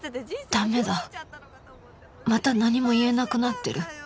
駄目だまた何も言えなくなってる